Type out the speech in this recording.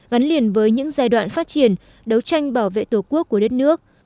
gắn liền với những giai đoạn phát triển đấu tranh bảo vệ tổ quốc của đất nước